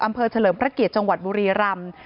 เฉลิมพระเกียรติจังหวัดบุรีรำ